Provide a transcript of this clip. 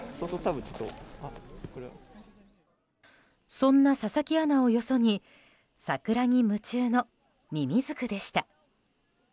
そんな佐々木アナをよそに桜に夢中のミミズクでした。